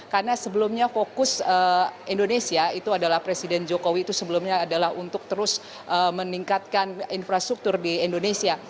karena sebelumnya fokus indonesia itu adalah presiden jokowi itu sebelumnya adalah untuk terus meningkatkan infrastruktur di indonesia